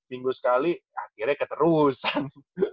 minggu sekali akhirnya keterusan